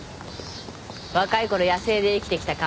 若い頃野生で生きてきた勘？